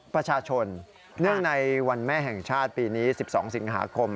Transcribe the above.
เนื่องในวันแม่แห่งชาติปีนี้๑๒สิงหาคม